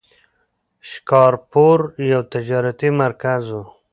شکارپور یو تجارتي مرکز و.